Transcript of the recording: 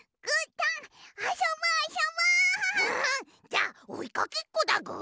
じゃあおいかけっこだぐ。